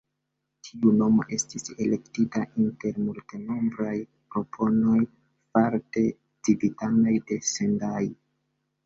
Tiu nomo estis elektita inter multenombraj proponoj far'de civitanoj de Sendai.